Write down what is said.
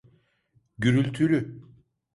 Gürültülü.